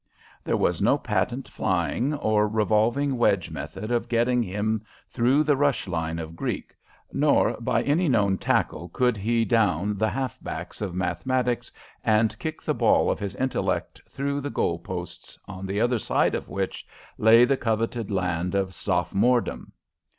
There was no patent flying or revolving wedge method of getting him through the rush line of Greek, nor by any known tackle could he down the half backs of mathematics and kick the ball of his intellect through the goal posts, on the other side of which lay the coveted land of Sophomoredom.